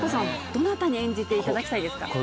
どなたに演じていただきたいですか？